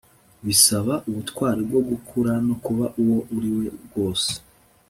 bisaba ubutwari bwo gukura no kuba uwo uriwe rwose